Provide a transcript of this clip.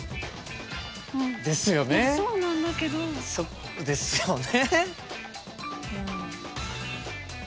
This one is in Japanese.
そうですよね。